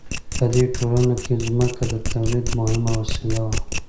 په دې ټولنه کې ځمکه د تولید مهمه وسیله وه.